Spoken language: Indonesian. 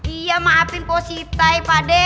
iya maafin poh sittai pak de